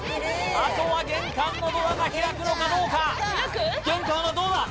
あとは玄関のドアが開くのかどうか玄関はどうだ？